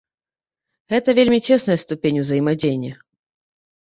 Гэта вельмі цесная ступень узаемадзеяння.